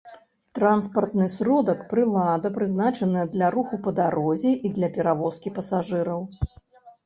Транспартны сродак — прылада, прызначаная для руху па дарозе i для перавозкi пасажыраў